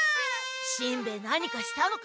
しんべヱ何かしたのか？